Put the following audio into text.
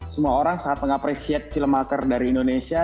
semua orang sangat mengapresiasi film maker dari indonesia